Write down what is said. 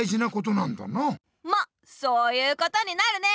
まっそういうことになるね。